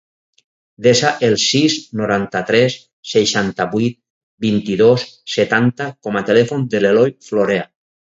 Desa el sis, noranta-tres, seixanta-vuit, vint-i-dos, setanta com a telèfon de l'Eloy Florea.